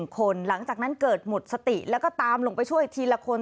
คนหลังจากนั้นเกิดหมดสติแล้วก็ตามลงไปช่วยทีละคน